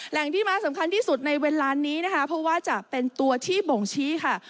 แหล่งที่มาสำคัญที่สุดในเวลานี้นะคะเพราะว่าจะเป็นตัวที่บ่งชี้ค่ะ